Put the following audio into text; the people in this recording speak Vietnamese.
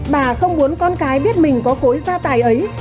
bà không muốn con cái biết mình có khối gia tài ấy